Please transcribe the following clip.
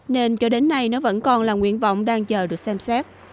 nên cho đến nay nó vẫn còn là nguyện vọng đang chờ được xem xét